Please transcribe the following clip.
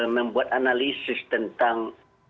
membuat analisis tentang